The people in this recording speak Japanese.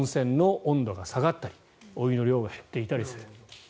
各地で温泉の温度が下がったりお湯の量が減っていたりする。